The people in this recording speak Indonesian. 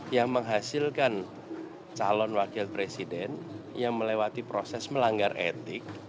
yang menghasilkan calon wakil presiden yang melewati proses melanggar etik